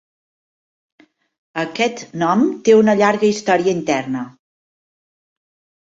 Aquest nom té una llarga història interna.